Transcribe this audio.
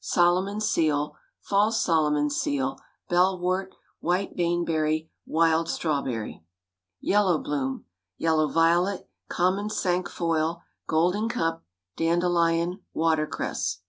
Solomon's seal. False Solomon's seal. Bellwort. White baneberry. Wild strawberry. YELLOW BLOOM. Yellow violet. Common cinquefoil. Golden cup. Dandelion. Watercress.